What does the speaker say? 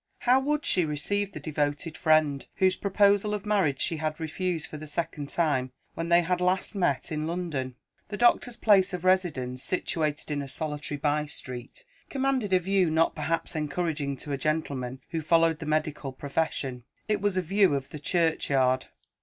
How would she receive the devoted friend, whose proposal of marriage she had refused for the second time, when they had last met in London? The doctor's place of residence, situated in a solitary by street, commanded a view, not perhaps encouraging to a gentleman who followed the medical profession: it was a view of the churchyard.